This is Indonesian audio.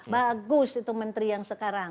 bagus itu menteri yang sekarang